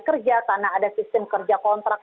kerja karena ada sistem kerja kontrak